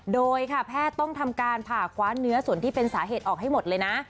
โดยค่ะแพทย์ต้องทำการผ่าคว้าเนื้อส่วนที่เป็นสาเหตุออกให้หมดเลยนะ